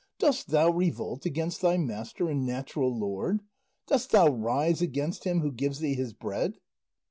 "Dost thou revolt against thy master and natural lord? Dost thou rise against him who gives thee his bread?"